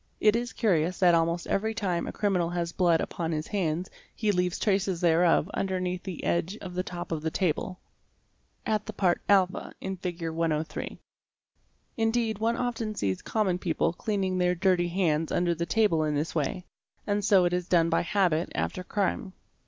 It is curious that almost every time a criminal has blood upon his hands he leaves traces thereof underneath the edge of the top of the table (at the part a in Fig. 103). Indeed one often sees common people cleaning their dirty hands under the table in this way, and so it is done by habit after crime.